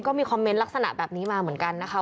ก็มีคอมเมนต์ลักษณะแบบนี้มาเหมือนกันนะคะ